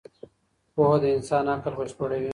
پوهه د انسان عقل بشپړوي.